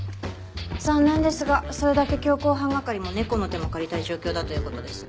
残念ですがそれだけ強行犯係も猫の手も借りたい状況だという事です。